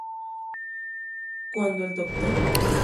Cuando el Dr.